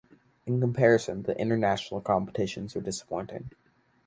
In comparison, the international competitions were disappointing.